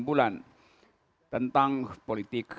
enam bulan tentang politik